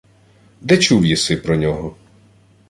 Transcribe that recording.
— Де чув єси про нього?